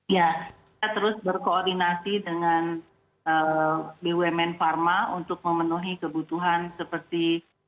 ya kita terus berkoordinasi dengan bumn pharma untuk memenuhi kebutuhan seperti